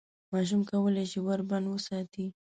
ماشوم کولای شي ور بند وساتي.